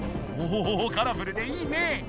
おおカラフルでいいね！